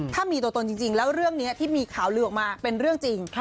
ถ้ามีตัวตนจริงแล้วเรื่องนี้ที่มีข่าวลือออกมาเป็นเรื่องจริง